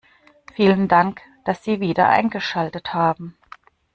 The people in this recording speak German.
Vielen Dank, dass Sie wieder eingeschaltet haben.